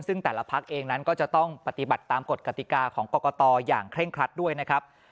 ซึ่งแต่ละพักเองนั้นก็จะต้องปฏิบัติตามกฎกติกาของกรกตอย่างเคร่งครัดด้วยนะครับ